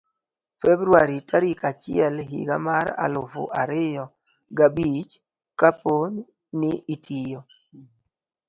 februar tarik achiel higa mar aluf ariyo ga bich. kapo ni itiyo